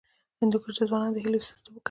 هندوکش د ځوانانو د هیلو استازیتوب کوي.